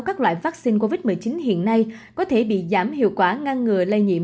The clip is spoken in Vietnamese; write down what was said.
các loại vaccine covid một mươi chín hiện nay có thể bị giảm hiệu quả ngăn ngừa lây nhiễm